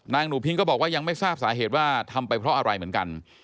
หนูพิงก็บอกว่ายังไม่ทราบสาเหตุว่าทำไปเพราะอะไรเหมือนกัน